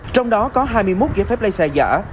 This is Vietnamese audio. trong đó có hai mươi một giấy phép lấy xe giả